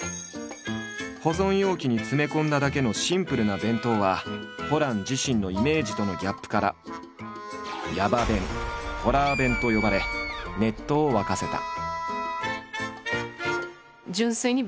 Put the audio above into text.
保存容器に詰め込んだだけのシンプルな弁当はホラン自身のイメージとのギャップから「ヤバ弁」「ホラー弁」と呼ばれネットを沸かせた。